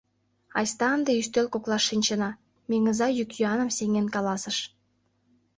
— Айста ынде ӱстел коклаш шинчына, — Меҥыза йӱк-йӱаным сеҥен каласыш.